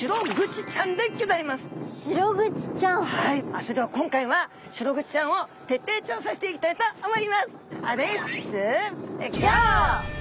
それでは今回はシログチちゃんを徹底調査していきたいと思います。